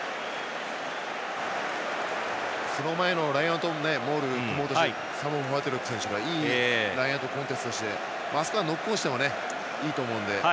その前のラインアウトモールを組もうとしてホワイトロック選手がいいラインアウトコンテストしてあそこはノックオンしてもいいと思うので。